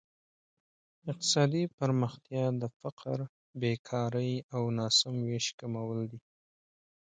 اقتصادي پرمختیا د فقر، بېکارۍ او ناسم ویش کمول دي.